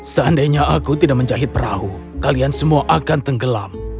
seandainya aku tidak menjahit perahu kalian semua akan tenggelam